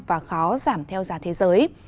và khó giảm theo giá thế giới